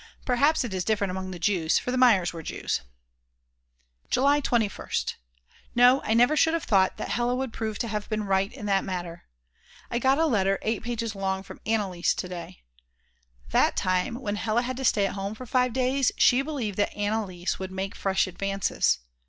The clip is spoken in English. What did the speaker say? Perhaps it is different among the Jews, for the Mayers were Jews. July 21st. No, I never should have thought that Hella would prove to have been right in that matter. I got a letter 8 pages long from Anneliese to day. That time when Hella had to stay at home for five days she believed that Anneliese would make fresh advances.